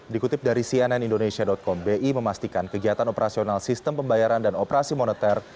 dikutip dari cnn indonesia com bi memastikan kegiatan operasional sistem pembayaran dan operasi moneter